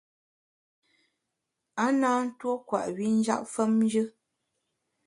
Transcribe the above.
A na ntuo kwet wi njap famjù.